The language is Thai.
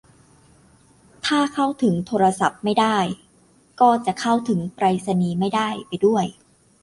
ถ้าเข้าถึงโทรศัพท์ไม่ได้ ก็จะเข้าถึงไปรษณีย์ไม่ได้ไปด้วย